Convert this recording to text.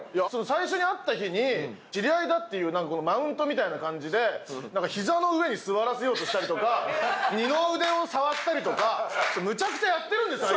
最初に会った日に知り合いだっていうなんかマウントみたいな感じでなんかひざの上に座らせようとしたりとか二の腕を触ったりとかむちゃくちゃやってるんですよ